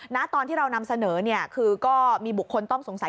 ตอนที่เรานำเสนอเนี่ยคือก็มีบุคคลต้องสงสัย